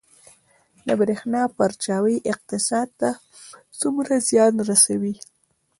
د بریښنا پرچاوي اقتصاد ته څومره زیان رسوي؟